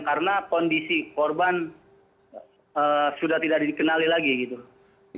karena kondisi korban sudah tidak dikenali lagi